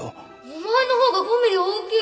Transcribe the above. お前のほうが５ミリ大きい！